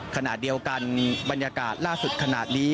ขณะเดียวกันบรรยากาศล่าสุดขนาดนี้